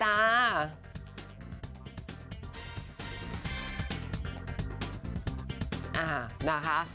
อย่างไรก็ต้องกลัว